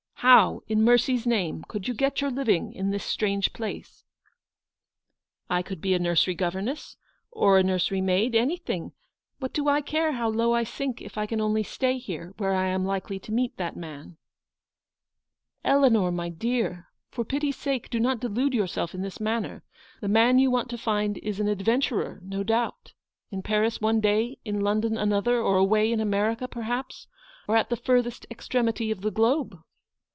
How, in mercy's name, could you get your living in this strange place ? M 186 Eleanor's victory. "I could be a nursery governess; or a nursery maid ; anything ! What do I care how low I sink, if I can only stay here, where I am likely to meet that man ?"" Eleanor, my dear ! For pity's sake do not delude yourself in this manner. The man you want to find is an adventurer, no doubt. In Paris one day, in London another, or away in America perhaps, or at the furthest extremity of the globe.